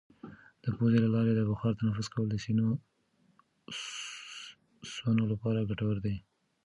د پوزې له لارې د بخار تنفس کول د سینوسونو لپاره ګټور دي.